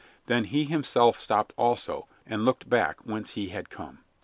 Then he himself stopped also, turned, and looked back whence he had come.